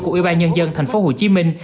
của ủy ban nhân dân thành phố hồ chí minh